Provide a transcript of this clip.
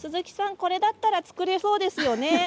これだったら作れそうですね。